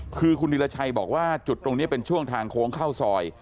คือคุณวิรชัยบอกว่าจุดตรงนี้เป็นช่วงทางโค้งเข้าซอย